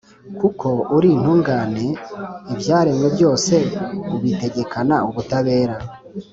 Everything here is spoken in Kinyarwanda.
Kuko uri intungane, ibyaremwe byose ubitegekana ubutabera;